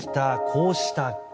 こうした木。